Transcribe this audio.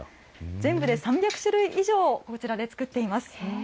全部で３００種類以上、こちらで作っています。